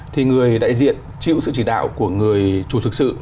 thì người đại diện chịu sự chỉ đạo của người chủ thực sự